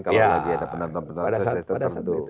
ya pada saat itu